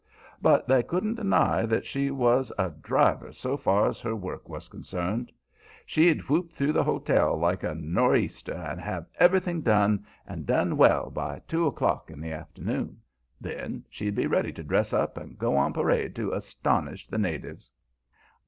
But they couldn't deny that she was a driver so far's her work was concerned. She'd whoop through the hotel like a no'theaster and have everything done, and done well, by two o'clock in the afternoon. Then she'd be ready to dress up and go on parade to astonish the natives.